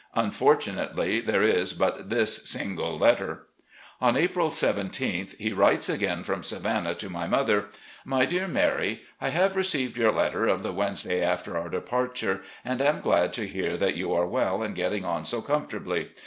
Unfortunately, there is but this single letter. On April 17th, he writes again from Savannah to my mother: "My Dear Mary: I have received your letter of the Wednesday after our departure and am glad to hear that you are well and getting on so comfortably.